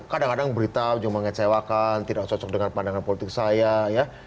kadang kadang berita ujung mengecewakan tidak cocok dengan pandangan politik saya ya